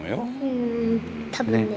うん多分ね。